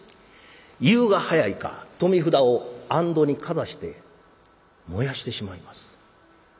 言うが早いか富札を行灯にかざして燃やしてしまいます。